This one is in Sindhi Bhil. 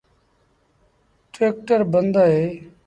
ٽيڪٽر بند اهي۔